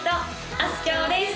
あすきょうです